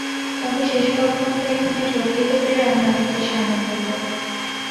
তবে শেষ পর্যন্ত এখানে যোগ দিতে পেরে আমি অনেক বেশি আনন্দিত।